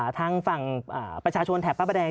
ทางฝั่งประชาชนแถบภาพแดง